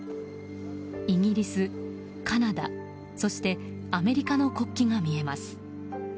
イギリス、カナダそしてアメリカの国旗が見えます。